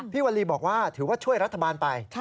วลีบอกว่าถือว่าช่วยรัฐบาลไป